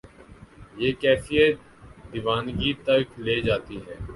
یہ کیفیت دیوانگی تک لے جاتی ہے۔